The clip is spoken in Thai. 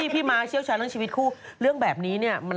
ไปเจอมัน